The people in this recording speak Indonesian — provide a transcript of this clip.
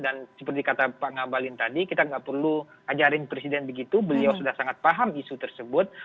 dan seperti yang dikatakan pak ngabalin tadi kita tidak perlu mengajarkan presiden begitu beliau sudah sangat paham isu tersebut